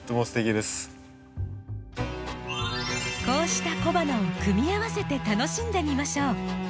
こうした小花を組み合わせて楽しんでみましょう。